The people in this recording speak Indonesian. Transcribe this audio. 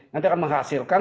nanti akan menghasilkan